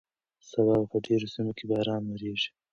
سبا به په ډېرو سیمو کې باران وورېږي.